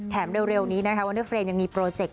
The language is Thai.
เร็วนี้นะคะวันเดอร์เฟรมยังมีโปรเจค